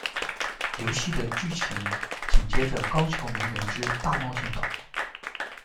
游戏的剧情紧接着《高桥名人之大冒险岛》。